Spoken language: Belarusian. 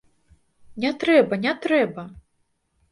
Не трэба, не трэба!